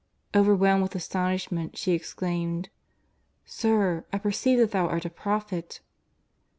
Overwhelmed with astonishment she exclaimed: '' Sir, I perceive that Thou art a Prophet."